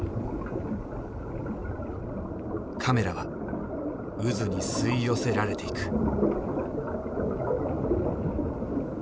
カメラは渦に吸い寄せられていく。